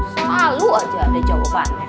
selalu aja ada jawabannya